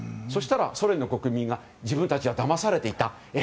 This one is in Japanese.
そうしたらソ連の国民が自分たちはだまされていた。